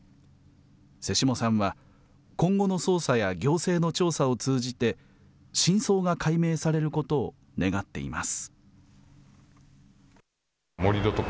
瀬下さんは、今後の捜査や行政の調査を通じて、真相が解明されることを願っています。